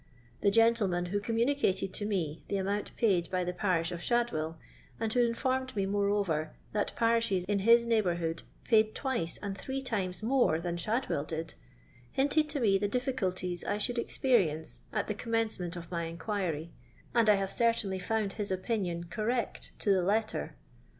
The gentle man who communicated to me the amount paid by the parish of Shadwell, and who informed me, moreover, that parishes in his neighbourhood paid twice and three times more than Shadwell did, hinted to me the difficulties I should experience at the conunencement of my inquiry, and I hare certainly found his opinion correct to the letter.